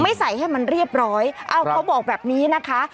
ใส่ให้มันเรียบร้อยเอ้าเขาบอกแบบนี้นะคะ